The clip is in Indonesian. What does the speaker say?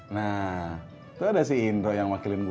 nah itu ada si nro yang wakilin gue